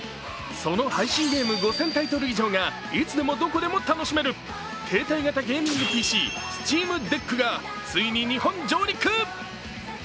その配信ゲーム５０００タイトル以上がいつでもどこでも楽しめる携帯型ゲーミングＰＣ、ＳｔｅａｍＤｅｃｋがついに日本上陸。